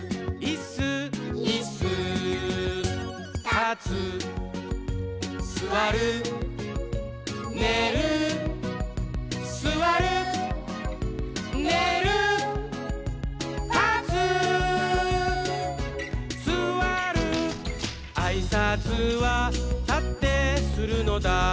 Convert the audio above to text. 「たつすわる」「ねるすわる」「ねるたつすわる」「あいさつはたってするのだ」